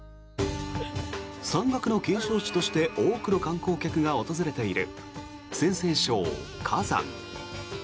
山岳の景勝地として多くの観光客が訪れている陝西省・華山。